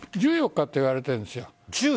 １４日といわれているんです。